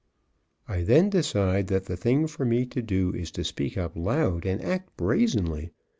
I then decide that the thing for me to do is to speak up loud and act brazenly.